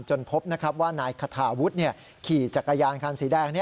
พบว่านายคาทาวุฒิขี่จักรยานคันสีแดง